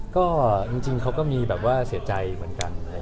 ก็จริงเขาก็มีแบบว่าเสียใจเหมือนกัน